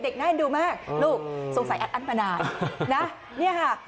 เด็กน่าให้ดูมากลูกสงสัยอัดอันประนายนะเนี้ยฮะ